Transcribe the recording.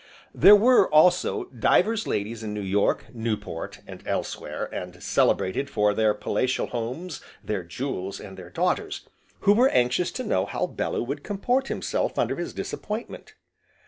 There were, also, divers ladies in New York, Newport, and elsewhere, and celebrated for their palatial homes, their jewels, and their daughters, who were anxious to know how Bellew would comport himself under his disappointment.